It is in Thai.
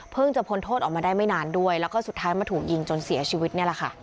จะพ้นโทษออกมาได้ไม่นานด้วยแล้วก็สุดท้ายมาถูกยิงจนเสียชีวิตนี่แหละค่ะ